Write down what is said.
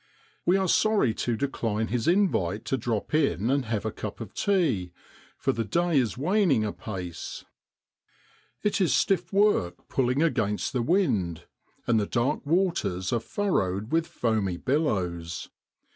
We are sorry to 32 MARCH IN SROADLAND. decline his invite to drop in and have a cup of tea, for the day is waning apace. It is stiff work pulling against the wind, and the dark waters are furrowed with foamy billows.